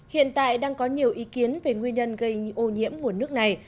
hiện tại đang có nhiều ý kiến về nguyên nhân gây ô nhiễm nguồn nước này